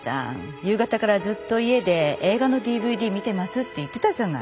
夕方からずっと家で映画のＤＶＤ見てますって言ってたじゃない。